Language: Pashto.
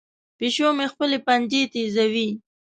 پیشو مې خپلې پنجې تیزوي.